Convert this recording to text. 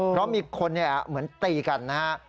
เพราะมีคนเหมือนตีกันนะฮะ